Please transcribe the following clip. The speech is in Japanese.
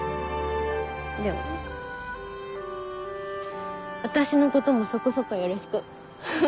でも私のこともそこそこよろしくハハハ。